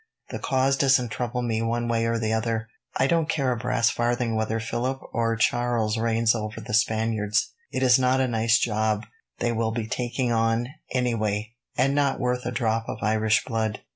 "The cause doesn't trouble me one way or the other. I don't care a brass farthing whether Philip or Charles reigns over the Spaniards. It is not a nice job they will be taking on, any way, and not worth a drop of Irish blood.